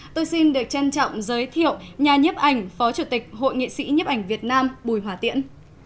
tôi xin được trân trọng giới thiệu nhà nhiếp ảnh phó chủ tịch hội nghị sĩ nhiếp ảnh việt nam bùi hòa tiện